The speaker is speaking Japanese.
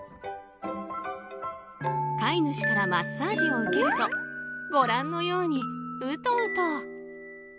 飼い主からマッサージを受けるとご覧のようにウトウト。